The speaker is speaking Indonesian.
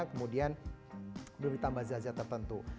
kemudian belum ditambah zat zat tertentu